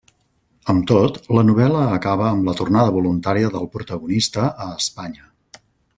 Amb tot, la novel·la acaba amb la tornada voluntària del protagonista a Espanya.